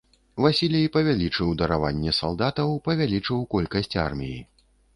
Васілій павялічыў дараванне салдатаў, павялічыў колькасць арміі.